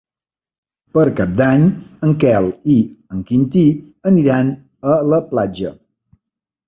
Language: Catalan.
Per Cap d'Any en Quel i en Quintí aniran a la platja.